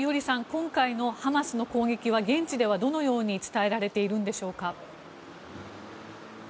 今回のハマスの攻撃は現地ではどのように伝えられているんでしょうか。